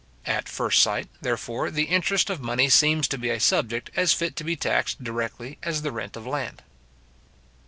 At first sight, therefore, the interest of money seems to be a subject as fit to be taxed directly as the rent of land.